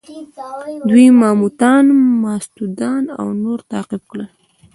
دوی ماموتان، ماستودان او نور تعقیب کړل.